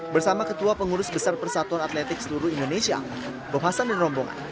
bersama ketua pengurus besar persatuan atletik seluruh indonesia bos hasan dan rombongan